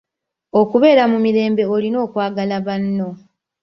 Okubeera mu mirembe olina okwagala banno.